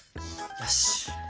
よし！